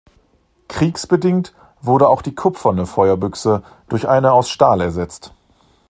Kriegsbedingt wurde auch die kupferne Feuerbüchse durch eine aus Stahl ersetzt.